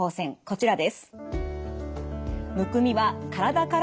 こちらです。